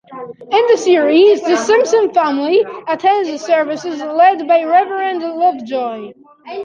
In the series, the Simpson family attends services led by Reverend Lovejoy.